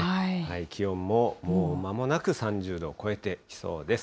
気温ももうまもなく３０度を超えてきそうです。